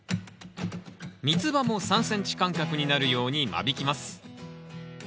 ミツバも３ｃｍ間隔になるように間引きます。